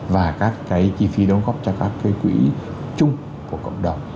và các chi phí đóng góp cho các cây quỹ chung của cộng đồng